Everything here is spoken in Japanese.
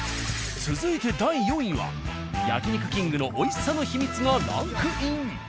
続いて第４位は「焼肉きんぐ」の美味しさの秘密がランクイン。